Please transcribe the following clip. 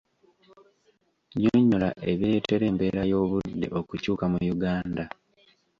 Nnyonnyola ebireetera embeera y'obudde okukyuka mu Uganda.